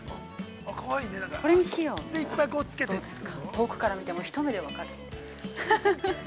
遠くから見ても一目で分かる。